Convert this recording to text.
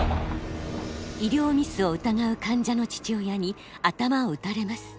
医療ミスを疑う患者の父親に頭を撃たれます。